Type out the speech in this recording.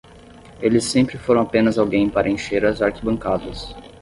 Eles sempre foram apenas alguém para encher as arquibancadas.